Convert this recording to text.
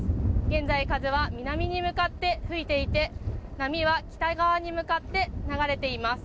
現在風は南に向かって吹いていて波は北側に向かって流れています。